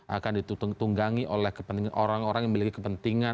akan ditunggangi oleh orang orang yang memiliki kepentingan